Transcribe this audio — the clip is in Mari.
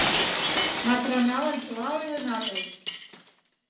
Матраналан чыла ойленатыс.